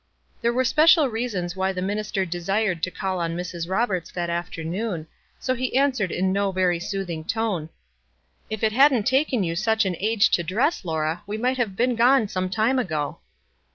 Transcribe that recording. There were special reasons why the minister desired to call on Mrs. Roberts that afternoon, so he answered in no very soothing tone, — "If it hadn't taken you such an age to dress, Laura, we might have been gone some time ago."